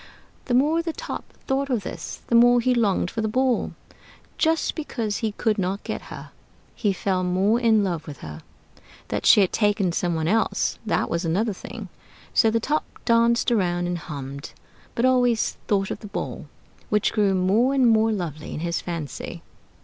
The more the Top thought of this, the more he longed for the Ball. Just because he could not get her, he fell more in love with her. That she had taken some one else, that was another thing. So the Top danced around and hummed, but always thought of the Ball, which grew more and more lovely in his fancy.